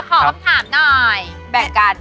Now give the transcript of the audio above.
ขอสวัสดีหน่อย